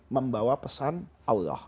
membawa pesan allah